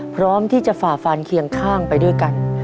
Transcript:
พร้อมที่จะฝ่าฟันเคียงข้างไปด้วยกัน